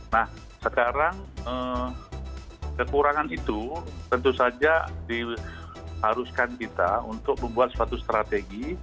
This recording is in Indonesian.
nah sekarang kekurangan itu tentu saja diharuskan kita untuk membuat suatu strategi